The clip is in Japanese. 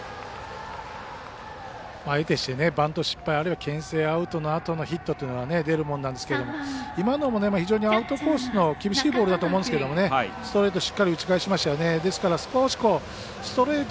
えてしてバント失敗あるいは、けん制アウトのあとのヒットというのは出るものなんですけども今のも非常にアウトコースの厳しいボールだと思うんですけどストレート